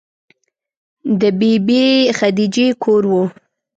د بې بي خدیجې کور و.